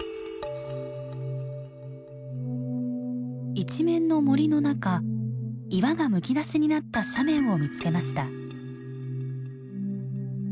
一面の森の中岩がむき出しになった斜面を見つけました。